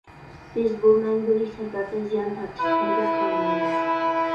بىز بۇ مەڭگۈلۈك سەپەردە زىيان تارتىشنى ھەرگىز خالىمايمىز.